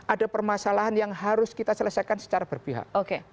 ada permasalahan yang harus kita selesaikan secara berpihak